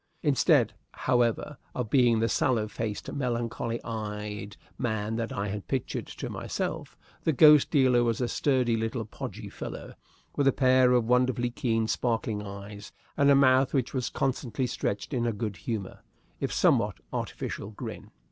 Instead, however, of being the sallow faced, melancholy eyed man that I had pictured to myself, the ghost dealer was a sturdy little podgy fellow, with a pair of wonderfully keen, sparkling eyes and a mouth which was constantly stretched in a good humored, if somewhat artificial, grin.